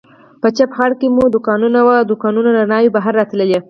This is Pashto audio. په چپ اړخ کې مو دوکانونه و، د دوکانونو رڼاوې بهر راتلې.